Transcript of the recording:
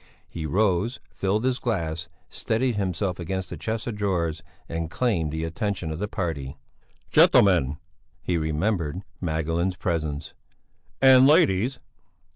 He rose, filled his glass, steadied himself against the chest of drawers and claimed the attention of the party. "Gentlemen," he remembered Magdalene's presence "and ladies!